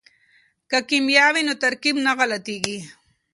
که کیمیا وي نو ترکیب نه غلطیږي.